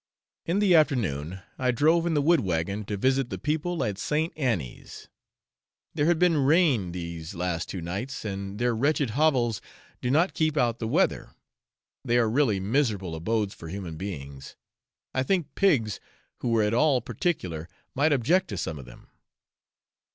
In the afternoon I drove in the wood wagon to visit the people at St. Annie's. There had been rain these last two nights, and their wretched hovels do not keep out the weather; they are really miserable abodes for human beings. I think pigs who were at all particular might object to some of them.